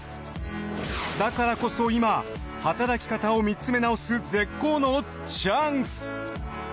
だからこそ今働き方を見つめ直す絶好のチャンス。